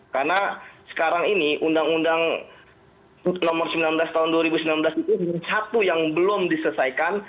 karena sekarang ini undang undang nomor sembilan belas tahun dua ribu sembilan belas itu satu yang belum diselesaikan